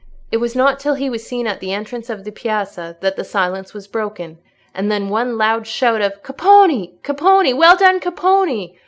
It was not till he was seen at the entrance of the piazza that the silence was broken, and then one loud shout of "Capponi, Capponi! Well done, Capponi!"